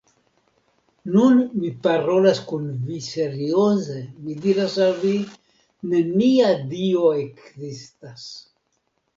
Nun mi parolas kun vi serioze, mi diras al vi: nenia Dio ekzistas!